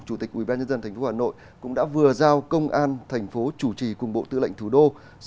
chủ tịch ubnd tp hà nội cũng đã vừa giao công an thành phố chủ trì cùng bộ tư lệnh thủ đô